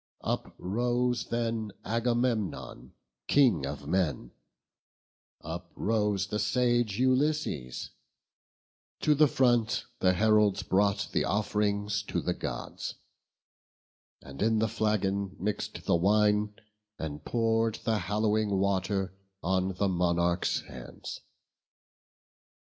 Uprose then Agamemnon, King of men, Uprose the sage Ulysses; to the front The heralds brought the off'rings to the Gods, And in the flagon mix'd the wine, and pour'd The hallowing water on the monarchs' hands.